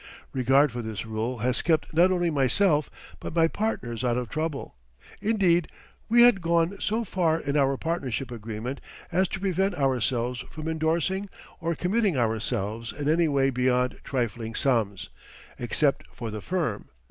Regard for this rule has kept not only myself but my partners out of trouble. Indeed, we had gone so far in our partnership agreement as to prevent ourselves from endorsing or committing ourselves in any way beyond trifling sums, except for the firm.